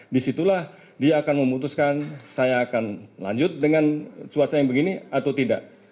disitulah dia akan memutuskan saya akan lanjut dengan cuaca yang begini atau tidak